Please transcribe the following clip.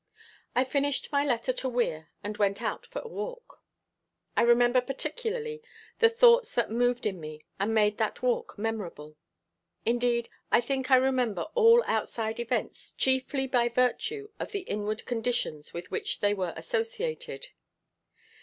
I finished my letter to Weir, and went out for a walk. I remember particularly the thoughts that moved in me and made that walk memorable. Indeed, I think I remember all outside events chiefly by virtue of the inward conditions with which they were associated.